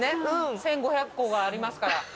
１，５００個がありますから。